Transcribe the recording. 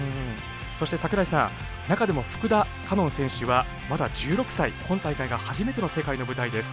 そして櫻井さん中でも福田果音選手はまだ１６歳今大会が初めての世界の舞台です。